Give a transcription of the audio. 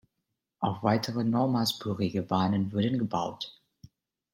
Auch weitere normalspurige Bahnen wurden gebaut.